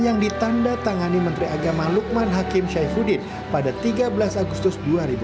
yang ditanda tangani menteri agama lukman hakim syaifuddin pada tiga belas agustus dua ribu dua puluh